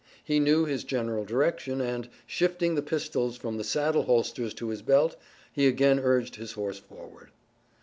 He knew his general direction and, shifting the pistols from the saddle holsters to his belt he again urged his horse forward.